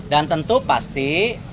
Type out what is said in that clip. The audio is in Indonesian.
dan tentu pasti